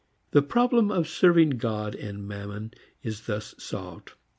The problem of serving God and Mammon is thus solved.